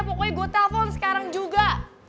pokoknya gue telepon sekarang juga